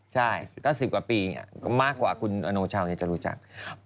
ใช่ก็๑๐กว่าปีมากกว่าคุณอโนชาวจะรู้จัก